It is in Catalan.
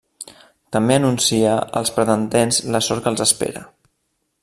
També anuncia als pretendents la sort que els espera.